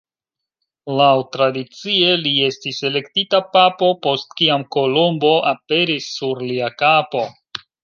Laŭtradicie, li estis elektita papo, post kiam kolombo aperis sur lia kapo.